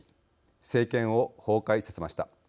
政権を崩壊させました。